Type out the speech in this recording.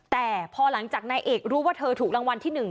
แต่พอหลังจากนายเอกรู้ว่าเธอถูกรางวัลที่๑